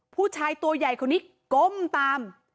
ผู้ชายตัวใหญ่คนนี้ก้มตาม